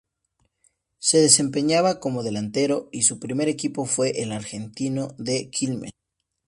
Se desempeñaba como delantero, y su primer equipo fue el Argentino de Quilmes.